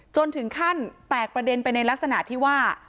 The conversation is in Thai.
จนถึงขั้นแตกประเด็นไปในลักษณะที่ว่า